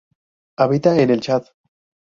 Habita en el Chad.